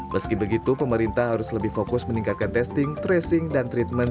meski begitu pemerintah harus lebih fokus meningkatkan testing tracing dan treatment